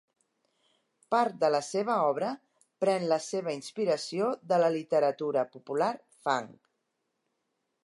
Part de la seva obra pren la seva inspiració de la literatura popular fang.